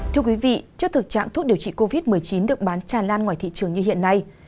thưa quý vị trước thực trạng thuốc điều trị covid một mươi chín được bán tràn lan ngoài thị trường như hiện nay